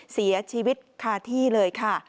เสียชีวิตคาที่เลยค่ะ